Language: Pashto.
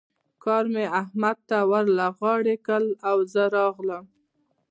کار مې احمد ته ور له غاړې کړ او زه راغلم.